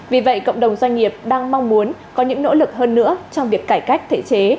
vì vậy cộng đồng doanh nghiệp đang mong muốn có những nỗ lực hơn nữa trong việc cải cách thể chế